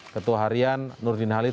ketua harian nurdin halid